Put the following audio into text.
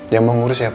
yang mau ngurus siapa